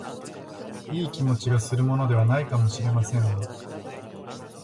いい気持ちがするものでは無いかも知れませんが、